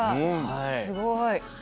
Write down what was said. すごい。